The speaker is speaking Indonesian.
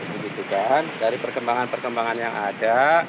begitu kan dari perkembangan perkembangan yang ada